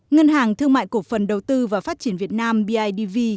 ngân hàng thương mại cổ phần đầu tư và phát triển việt nam bidv